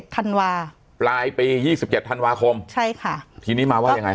ธันวาปลายปี๒๗ธันวาคมใช่ค่ะทีนี้มาว่ายังไง